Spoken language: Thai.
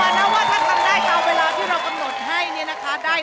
ถ้าทำได้ตราวเวลาที่เรากำหนดให้